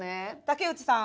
竹内さん。